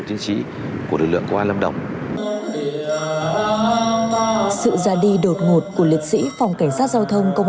chính trị của lực lượng công an lâm đồng sự ra đi đột ngột của liệt sĩ phòng cảnh sát giao thông công